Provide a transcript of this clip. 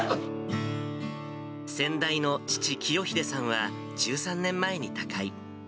先代の父、清英さんは１３年前に他界。